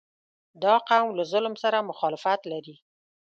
• دا قوم له ظلم سره مخالفت لري.